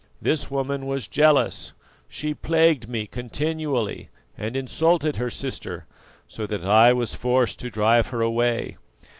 This woman was jealous; she plagued me continually, and insulted her sister, so that I was forced to drive her away.